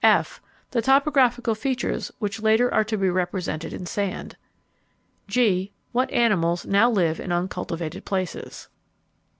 (f) The topographical features which later are to be represented in sand. (g) What animals now live in uncultivated places.